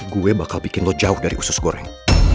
gue bakal bikin lo jauh dari usus goreng